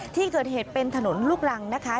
ที่เกิดเหตุเป็นถนนลูกรังนะคะ